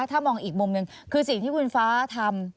ถ้ามองอีกมุมหนึ่งคือสิ่งที่คุณฟ้าทำ